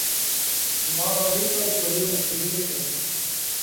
Estonia imports needed petroleum products from western Europe and Russia.